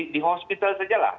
di hospital saja lah